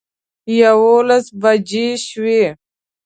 یوولس بجې شوې.